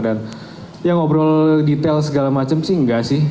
dan ya ngobrol detail segala macam sih enggak sih